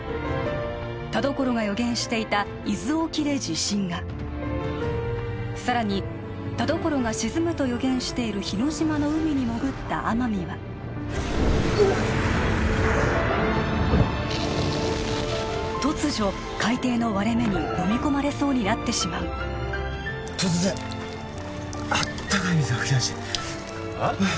田所が予言していた伊豆沖で地震が更に田所が沈むと予言している日之島の海に潜った天海はうわっ突如海底の割れ目に飲み込まれそうになってしまう突然あったかい水が噴き出してああ？